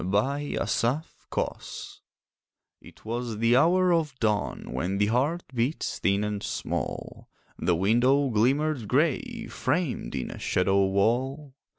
THE PASSING It was the hour of dawn, When the heart beats thin and small, The window glimmered grey, Framed in a shadow wall.